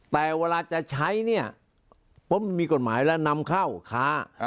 แต่เวลาจะใช้เนี่ยมีกฎหมายแล้วนำเข้าค้า